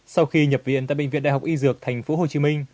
sau khi nhập viện tại bệnh viện đại học y dược tp hcm